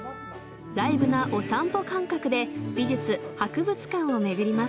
「ライブなお散歩感覚」で美術・博物館を巡ります。